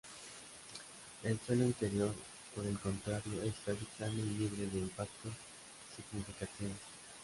El suelo interior, por el contrario, es casi plano y libre de impactos significativos.